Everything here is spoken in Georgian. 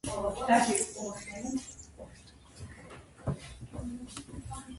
გერმანიის სამოქალაქო კოდექსი სისტემატიზირებული იყო.